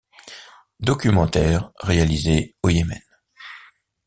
Documentaire réalisé au Yémen.